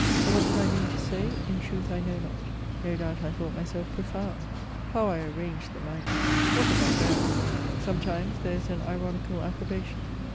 What did I mean to say ? In truth, I know not. No doubt, I thought myself profound. How I arranged the language ! what a barbarian !"' Sometimes there is an ironical approbation.